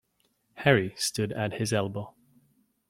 Harry stood at his elbow.